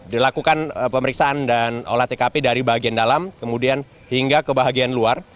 dilakukan pemeriksaan dan olah tkp dari bagian dalam kemudian hingga ke bagian luar